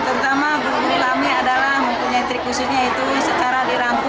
terutama guru guru kami adalah mempunyai trik khususnya itu secara dirangkul